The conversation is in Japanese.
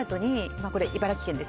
茨城県ですよね